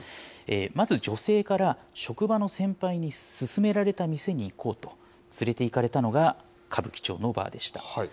まず女性から職場の先輩に勧められた店に行こうと、連れていかれたのが歌舞伎町のバーでした。